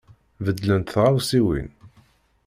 Beddlent tɣawsiwin.